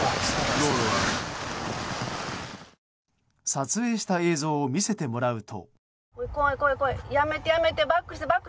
撮影した映像を見せてもらうと。